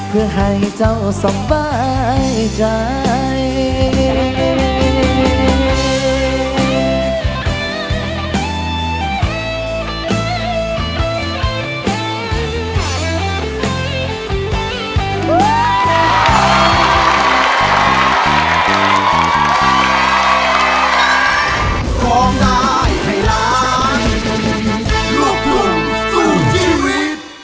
เพื่อให้เจ้าสบายใจ